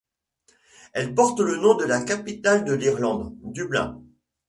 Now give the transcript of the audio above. Elle porte le nom de la capitale de l'Irlande, Dublin.